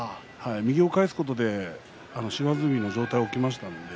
右を返すことで島津海の上体が起きました。